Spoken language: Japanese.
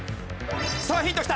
さあヒントきた。